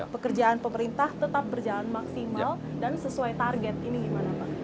pekerjaan pemerintah tetap berjalan maksimal dan sesuai target ini gimana pak